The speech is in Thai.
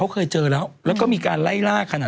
สมดำหน้า